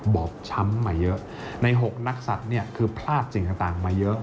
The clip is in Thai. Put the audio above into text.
บอบช้ำมาเยอะใน๖นักศัตริย์เนี่ยคือพลาดสิ่งต่างมาเยอะ